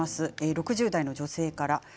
６０代の女性からです。